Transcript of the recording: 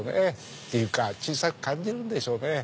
っていうか小さく感じるんでしょうね。